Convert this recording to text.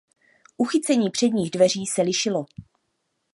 Uchycení předních dveří se lišilo.